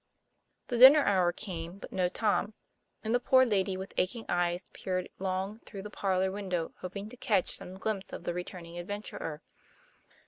The dinner hour came, but no Tom; and the poor lady with aching eyes peered long through the parlor window hoping to catch some glimpse of the return ing adventurer.